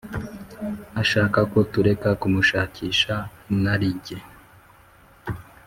Ashaka ko tureka kumushakisha inarijye.